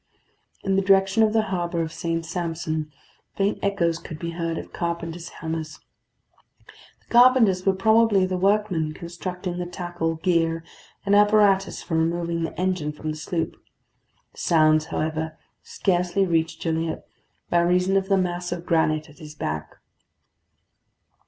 In the direction of the harbour of St. Sampson, faint echoes could be heard of carpenters' hammers. The carpenters were probably the workmen constructing the tackle, gear, and apparatus for removing the engine from the sloop. The sounds, however, scarcely reached Gilliatt by reason of the mass of granite at his back.